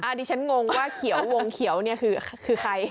ดิฉันงงว่าเขียววงเขียวเนี่ยคือใคร